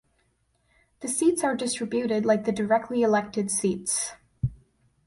The seats are distributed like the directly elected seats.